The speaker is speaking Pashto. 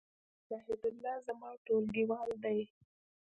زاهیدالله زما ټولګیوال دی